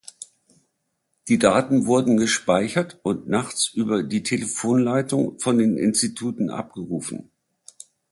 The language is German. Die Daten wurden gespeichert und nachts über die Telefonleitung von den Instituten abgerufen.